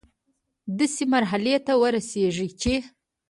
داسي مرحلې ته ورسيږي چي